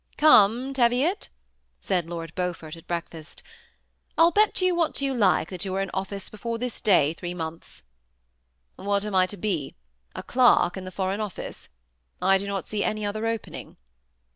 156 THE SEMI ATTACHED COUPLE. " Come, Teviot," said Lord Beaufort at breakfast, " ril bet you what you like that you are in office before this day three months." " What am I to be ? a clerk in the Foreign Office ? I do not see any other opening."